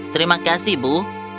terima kasih bu